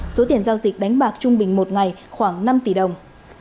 số tiền giao dịch đánh bạc trung bình một ngày khoảng năm tỷ đồng